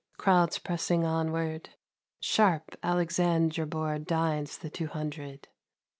Crowds pressing onward, — Sharp Alexandra Board Dines the Two Hundred